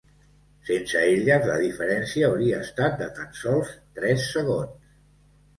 Sense elles la diferència hauria estat de tan sols tres segons.